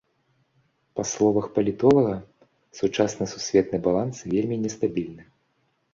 Па словах палітолага, сучасны сусветны баланс вельмі нестабільны.